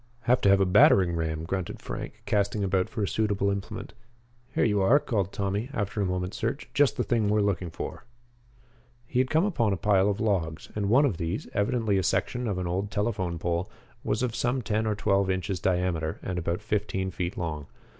"Have to have a battering ram," grunted Frank, casting about for a suitable implement. "Here you are," called Tommy, after a moment's search. "Just the thing we are looking for." He had come upon a pile of logs, and one of these, evidently a section of an old telephone pole, was of some ten or twelve inches diameter and about fifteen feet long.